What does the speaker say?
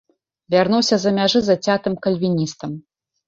Вярнуўся з-за мяжы зацятым кальвіністам.